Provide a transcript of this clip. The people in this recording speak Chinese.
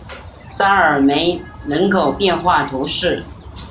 沙尔梅人口变化图示